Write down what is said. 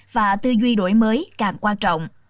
và tư duy đổi mới càng quan trọng